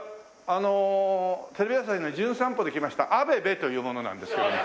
あのテレビ朝日の『じゅん散歩』で来ましたアベベという者なんですけども。